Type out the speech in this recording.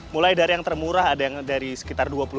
mulai dari yang termurah ada yang dari sekitar dua puluh